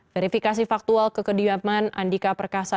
verifikasi faktual kekediaman andika perkasa